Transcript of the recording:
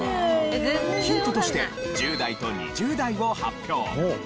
ヒントとして１０代と２０代を発表。